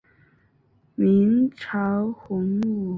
明朝洪武十五年改为镇康府。